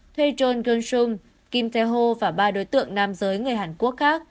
thuê john kyung sung kim tae ho và ba đối tượng nam giới người hàn quốc khác